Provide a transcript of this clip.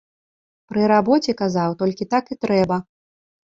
Пры рабоце, казаў, толькі так і трэба.